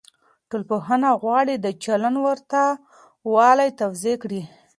ټولنپوهنه غواړي د چلند ورته والی توضيح کړي.